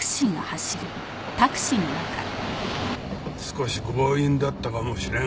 少し強引だったかもしれん。